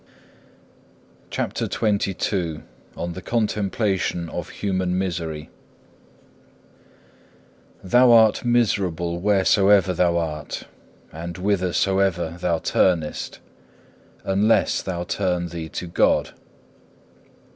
CHAPTER XXII On the contemplation of human misery Thou art miserable wheresoever thou art, and whithersoever thou turnest, unless thou turn thee to God.